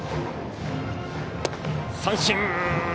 三振！